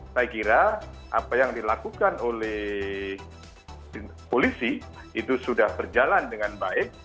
saya kira apa yang dilakukan oleh polisi itu sudah berjalan dengan baik